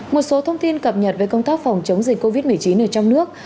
một số thông tin cập nhật về công tác phòng chống dịch covid một mươi chín ở trong nước